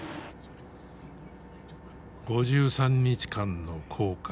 ５３日間の航海。